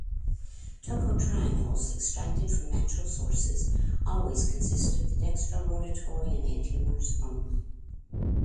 Tocotrienols extracted from natural sources always consist of the dextrorotatory enantiomers only.